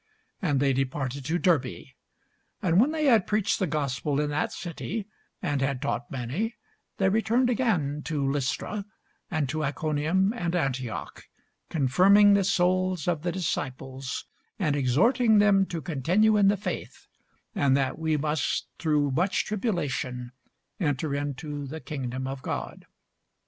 And they departed to Derbe. And when they had preached the gospel to that city, and had taught many, they returned again to Lystra, and to Iconium, and Antioch, confirming the souls of the disciples, and exhorting them to continue in the faith, and that we must through much tribulation enter into the kingdom of God.